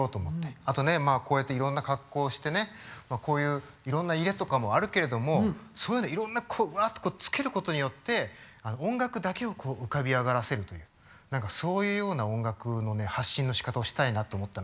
あとねまあこうやっていろんな格好をしてねこういういろんな家とかもあるけれどもそういうのいろんなわってつけることによって音楽だけを浮かび上がらせるという何かそういうような音楽の発信のしかたをしたいなと思ったの。